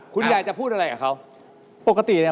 คุณยายจะพูดอะไรกับเขา